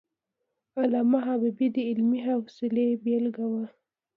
علامه حبيبي د علمي حوصلي بېلګه وو.